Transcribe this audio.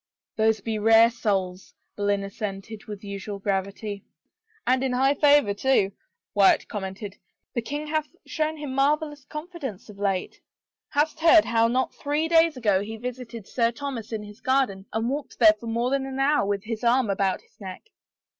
" Those be rare souls," Boleyn assented, with unusual gravity. " And in high favor, too I " Wyatt commented. " The king hath shown him marvelous confidence, of late. ... Hast heard how not three days ago he visited Sir Thomas in his garden and walked there for more than an hour with his arm about his neck?